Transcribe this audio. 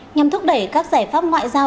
nhằm thúc đẩy các giải pháp ngoại giao